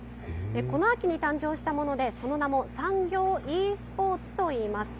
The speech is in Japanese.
この秋に誕生したもので、その名も産業Ｅスポーツと言います。